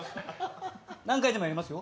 何回でもやりますよ。